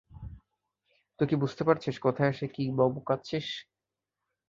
তুই কি বুঝতে পারছিস কোথায় এসে কী বকবকাচ্ছিস?